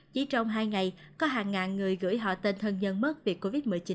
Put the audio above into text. chỉ trong hai ngày có hàng ngàn người gửi họ tên thân nhân mất việc covid một mươi chín